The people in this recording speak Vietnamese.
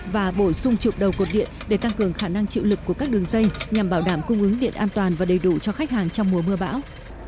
và bổ sung trụp đầu cột điện để tăng cường khả năng chịu lực của các đường dây nhằm bảo đảm cung ứng điện an toàn và đầy đủ cho khách hàng trong mùa mưa bão